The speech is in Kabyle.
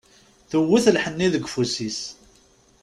Tewwet lḥenni deg ufus-is.